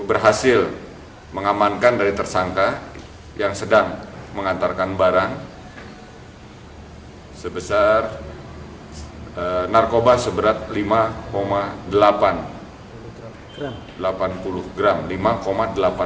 berhasil mengamankan dari tersangka yang sedang mengantarkan barang sebesar narkoba seberat lima delapan puluh gram